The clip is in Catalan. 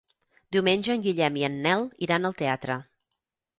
Diumenge en Guillem i en Nel iran al teatre.